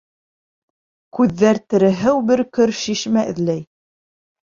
Күҙҙәр тереһыу бөркөр шишмә эҙләй.